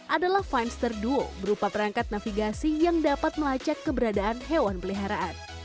adalah finester duo berupa perangkat navigasi yang dapat melacak keberadaan hewan peliharaan